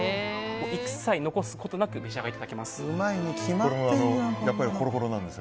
一切、残すことなくお召し上がりいただけます。